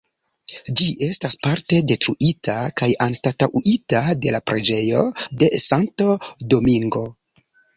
Ĝi estas parte detruita kaj anstataŭita de la preĝejo de Santo Domingo.